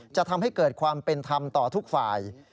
จะทำให้เกิดความเป็นธรรมต่อทุกฝ่าย